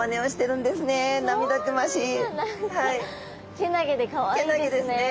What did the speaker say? けなげでかわいいですね。